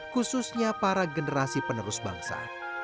khususnya para generasi penerus bangsa